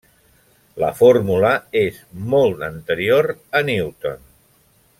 La fórmula és molt anterior a Newton.